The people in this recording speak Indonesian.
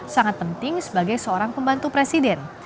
sangat penting sebagai seorang pembantu presiden